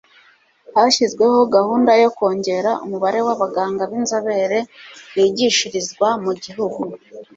hashyizweho gahunda yo kongera umubare w' abaganga b'inzobere bigishirizwa mu gihugu